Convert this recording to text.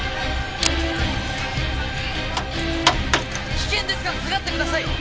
危険ですから下がってください！